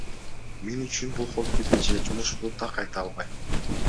Мен үчүн бул хоббиби же жумушпу так айта албайм.